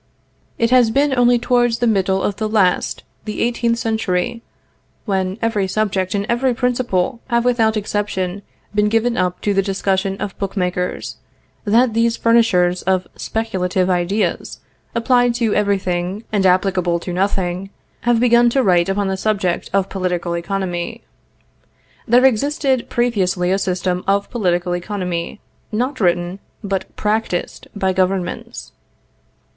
"It has been only towards the middle of the last, the eighteenth century, when every subject and every principle have without exception been given up to the discussion of book makers, that these furnishers of speculative ideas, applied to every thing and applicable to nothing, have begun to write upon the subject of political economy. There existed previously a system of political economy, not written, but practiced by governments.